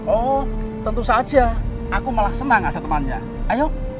oh tentu saja